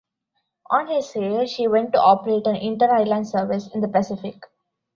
On her sale she went to operate an inter-island service in the Pacific.